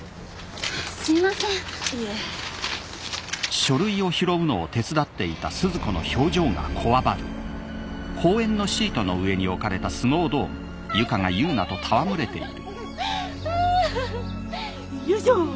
すいませんいいえ・・よいしょ！